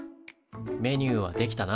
メニューは出来たな。